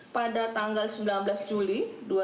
pada tanggal sembilan belas juli dua ribu sembilan belas